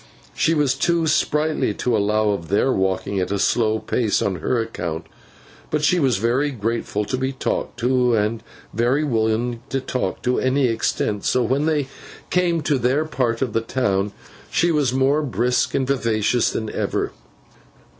She was too sprightly to allow of their walking at a slow pace on her account, but she was very grateful to be talked to, and very willing to talk to any extent: so, when they came to their part of the town, she was more brisk and vivacious than ever.